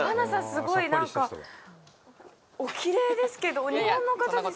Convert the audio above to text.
すごいなんかおきれいですけど日本の方ですか？